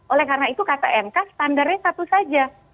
oleh karena itu kata mk standarnya satu saja